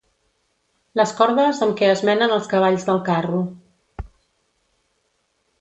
Les cordes amb què es menen els cavalls del carro.